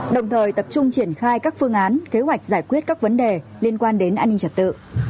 đồng thời tập trung triển khai các phương án kế hoạch giải quyết các vấn đề liên quan đến an ninh trật tự